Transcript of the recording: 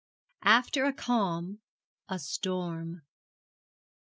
AFTER A CALM A STORM.